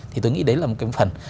thì tôi nghĩ đấy là một cái phần